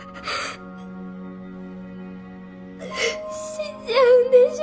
死んじゃうんでしょ？